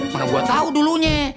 mana gue tau dulunya